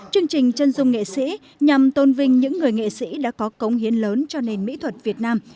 chương trình chân dung nghệ sĩ nhằm tôn vinh những người nghệ sĩ đã có cống hiến lớn cho nền mỹ thuật việt nam